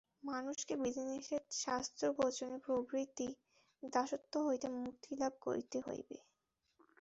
মানুষকে বিধিনিষেধ শাস্ত্রবচন প্রভৃতির দাসত্ব হইতে মুক্তিলাভ করিতে হইবে।